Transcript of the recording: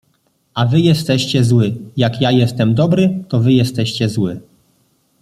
A wy jesteście zły! jak ja jestem dobry, to wy jestescie zły!